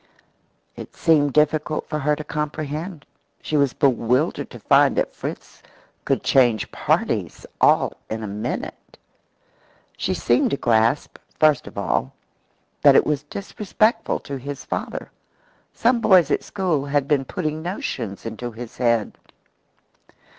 It seemed difficult for her to comprehend. She was bewildered to find that Fritz could change parties all in a minute. She seemed to grasp, first of all, that it was disrespectful to his father. Some boys at school had been putting notions into his head.